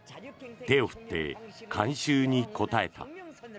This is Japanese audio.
手を振って観衆に応えた。